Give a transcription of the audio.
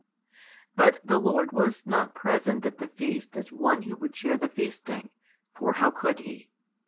But the Lord was not present at the feasts as one Who would share the feasting, for how could He?